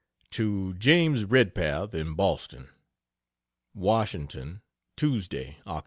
To James Redpath, in Boston: WASHINGTON, Tuesday, Oct.